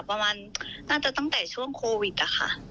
ประมาณน่าจะตั้งแต่ช่วงโควิดอะค่ะ